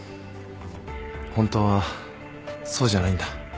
本当はそうじゃないんだ。